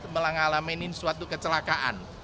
melangalaminin suatu kecelakaan